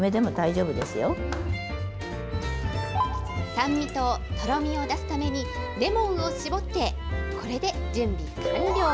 酸味ととろみを出すために、レモンを搾って、これで準備完了。